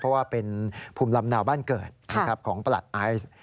เพราะว่าเป็นภูมิลำเนาบ้านเกิดของประหลัดไอซ์